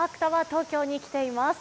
東京に来ています。